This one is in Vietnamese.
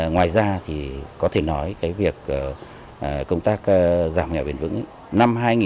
ngoài ra thì có thể nói việc công tác giảm nghèo bền vững